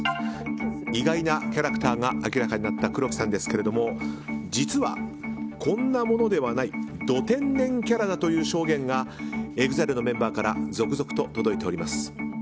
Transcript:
意外なキャラクターが明らかになった黒木さんですが実はこんなものではないド天然キャラだという証言がＥＸＩＬＥのメンバーから続々届いております。